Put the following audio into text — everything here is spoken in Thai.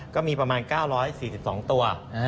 ก็มีประมาณ๙๔๒ตัว